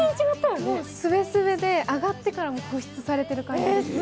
すべすべで、上がってからも保湿されてる感じです。